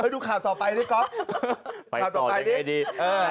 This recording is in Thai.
ดูข่าวต่อไปดิก๊อฟข่าวต่อไปดิเออ